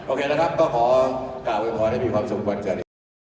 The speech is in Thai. โอเคแล้วครับก็ขอกล่าวให้มีความสุขบรรเวียด